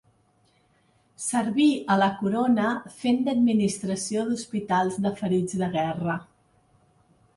Serví a la corona fent d’administració d’hospitals de ferits de Guerra.